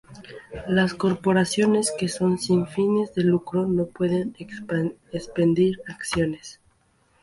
Las corporaciones que son sin fines de lucro no pueden expedir acciones.